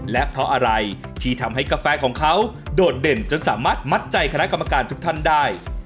และเพราะอะไรที่ทำให้กาแฟของเขาโดดเด่นจนสามารถมัดใจคณะกรรมการทุกท่านได้